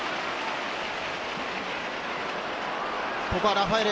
ここはラファエレ。